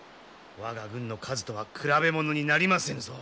我が軍の数とは比べ物になりませぬぞ。